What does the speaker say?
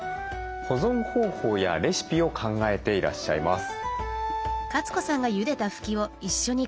保存方法やレシピを考えていらっしゃいます。